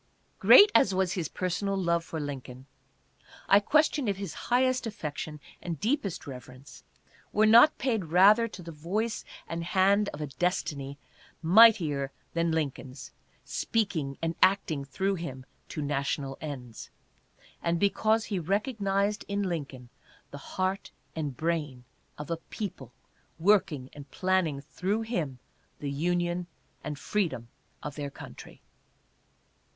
Great as was his personal love for Lincoln, I question if his highest affection and deepest reverence were not paid rather to the voice and hand of a destiny mightier than Lincoln's speak ing and acting through him to national ends, and because he recognized in Lincoln the heart and brain of a people working and planning through him the union and freedom of their coun try.